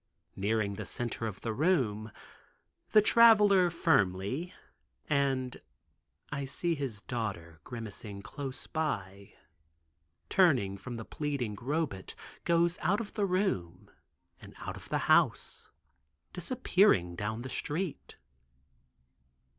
Nearing the center of the room, the Traveler firmly and (I see his daughter grimacing close by) turning from the pleading Robet goes out of the room, and out of the house, disappearing down the street.